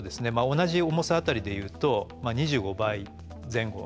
同じ重さあたりで言うと２５倍前後。